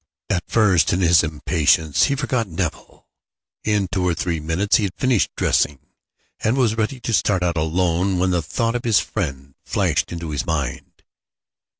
At first, in his impatience, he forgot Nevill. In two or three minutes he had finished dressing, and was ready to start out alone when the thought of his friend flashed into his mind.